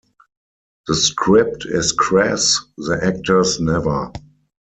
The script is crass; the actors never.